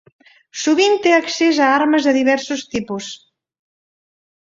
Sovint té accés a armes de diversos tipus.